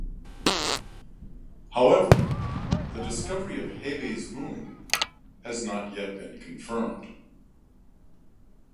However, the discovery of Hebe's moon has not been confirmed.